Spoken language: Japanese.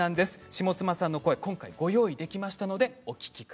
下間さんの声今回ご用意できました。